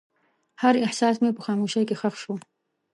هر احساس مې په خاموشۍ کې ښخ شو.